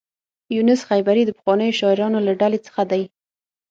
یونس خیبري د پخوانیو شاعرانو له ډلې څخه دی.